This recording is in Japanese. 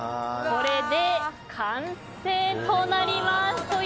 これで完成となります！